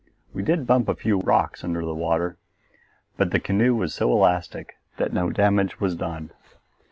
We did bump a few rocks under water, but the canoe was so elastic that no damage was done.